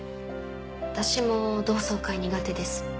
私も同窓会苦手です。